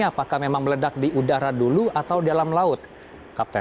apakah memang meledak di udara dulu atau dalam laut kapten